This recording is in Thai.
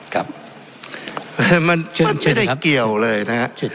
ครับมันไม่ได้เกี่ยวเลยนะครับ